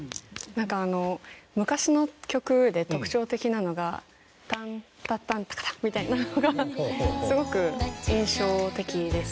なんかあの昔の曲で特徴的なのが「タンタタンタカタン」みたいなのがすごく印象的です。